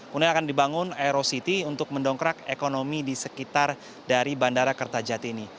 kemudian akan dibangun aero city untuk mendongkrak ekonomi di sekitar dari bandara kertajati ini